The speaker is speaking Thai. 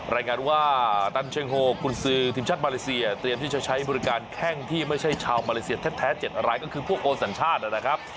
รายงานว่าตันเชิงโฮกุญซือทีมชาติมาเลเซียเตรียมที่จะใช้บริการแข้งที่ไม่ใช่ชาวมาเลเซียแท้๗รายก็คือพวกโอสัญชาตินะครับ